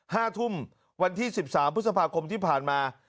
ห้าทุ่มวันที่สิบสามพฤษภาคมที่ผ่านมา